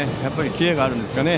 キレがあるんですかね。